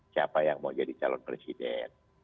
siapa yang mau jadi calon presiden